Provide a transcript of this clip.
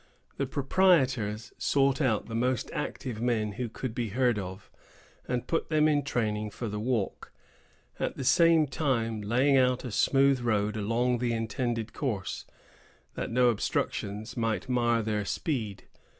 The proprietors sought out the most active men who could be heard of, and put them in training for the walk; at the same time laying out a smooth road along the intended course, that no obstructions might mar their speed.